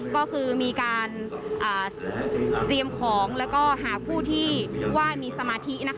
ก็คือมีการเตรียมของแล้วก็หาผู้ที่ไหว้มีสมาธินะคะ